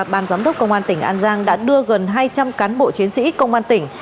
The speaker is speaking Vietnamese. ban giám đốc công an tỉnh an giang đã đưa gần hai trăm linh cán bộ chiến sĩ công an tỉnh